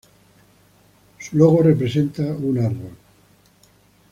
Su logo representa un árbol.